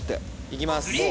行きます。